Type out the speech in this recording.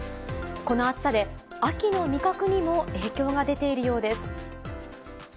この暑さで、秋の味覚にも影響が出ているようです。